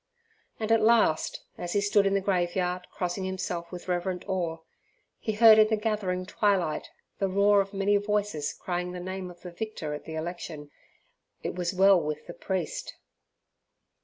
And at last, as he stood in the graveyard crossing himself with reverent awe, he heard in the gathering twilight the roar of many voices crying the name of the victor at the election. It was well with the priest.